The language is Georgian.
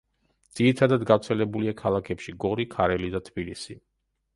ძირითადად გავრცელებულია ქალაქებში: გორი, ქარელი და თბილისი.